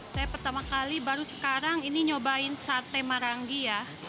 saya pertama kali baru sekarang ini nyobain sate marangi ya